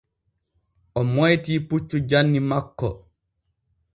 O moytii puccu janni makko.